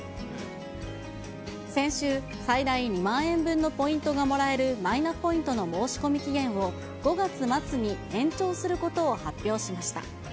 先週、最大２万円分のポイントがもらえるマイナポイントの申し込み期限を５月末に延長することを発表しました。